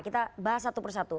kita bahas satu persatu